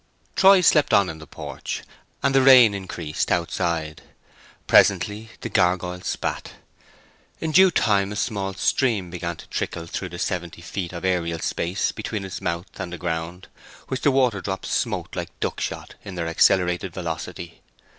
Troy slept on in the porch, and the rain increased outside. Presently the gurgoyle spat. In due time a small stream began to trickle through the seventy feet of aerial space between its mouth and the ground, which the water drops smote like duckshot in their accelerated velocity.